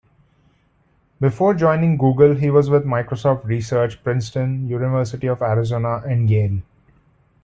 Before joining Google, he was with Microsoft Research, Princeton, University of Arizona, and Yale.